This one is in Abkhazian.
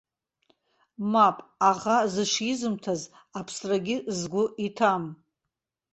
Мап, аӷа зыҽизымҭаз, аԥсрагьы згәы иҭам!